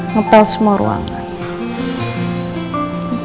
ngepel semua ruangan